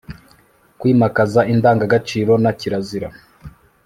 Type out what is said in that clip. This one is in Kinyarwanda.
kwimakaza indangagaciro na kirazira